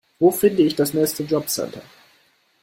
Wo finde ich das nächste Jobcenter?